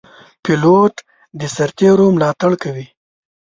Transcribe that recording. پیلوټ د سرتېرو ملاتړ کوي.